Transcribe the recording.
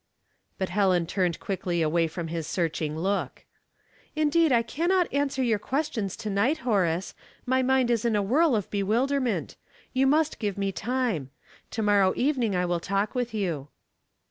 But Helen turned quickly away from his searching look. " Indeed I can not answer your questions to night, Horace ; my mind is in a whirl of bewil derment. You must give me time. To morrow evening I will talk with you."